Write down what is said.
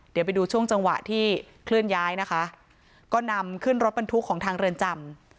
เดี๋ยวไปดูช่วงจังหวะที่เคลื่อนย้ายนะคะก็นำขึ้นรถบรรทุกของทางเรือนจำ